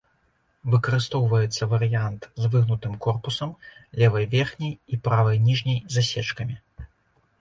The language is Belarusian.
Выкарыстоўваецца варыянт з выгнутым корпусам, левай верхняй і правай ніжняй засечкамі.